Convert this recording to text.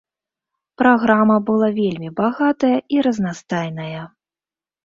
Праграма была вельмі багатая і разнастайная.